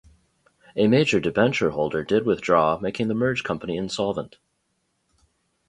A major debenture holder did withdraw making the merged company insolvent.